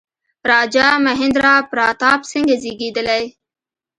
راجا مهیندرا پراتاپ سینګه زېږېدلی.